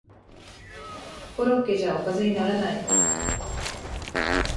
コロッケじゃおかずにならない